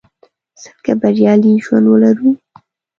څنګه بریالی ژوند ولرو?